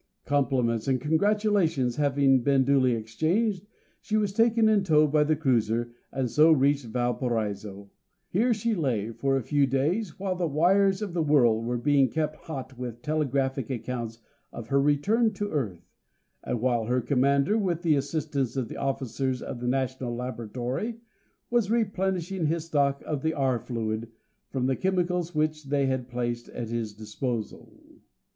Compliments and congratulations having been duly exchanged, she was taken in tow by the cruiser, and so reached Valparaiso. Here she lay for a few days while the wires of the world were being kept hot with telegraphic accounts of her return to Earth, and while her Commander, with the assistance of the officers of the National Laboratory, was replenishing his stock of the R. Fluid from the chemicals which they had placed at his disposal.